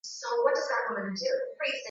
miamba na wauaji Tulifurahi kuona kwamba mtu